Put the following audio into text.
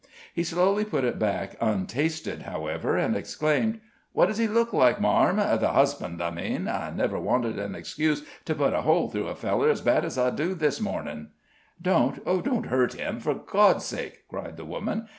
He slowly put it back untasted, however, and exclaimed: "What does he look like, marm? the husband I mean. I never wanted an excuse to put a hole through a feller ez bad ez I do this mornin'!" "Don't don't hurt him, for God's sake!" cried the woman.